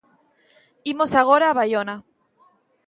Imos agora a Baiona.